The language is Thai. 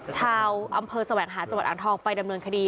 ชาวอำเภอแสวงหาจังหวัดอ่างทองไปดำเนินคดี